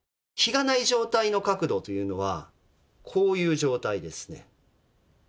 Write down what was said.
樋がない状態の角度というのはこういう状態ですね。